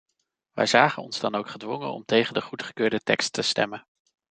Wij zagen ons dan ook gedwongen om tegen de goedgekeurde tekst te stemmen.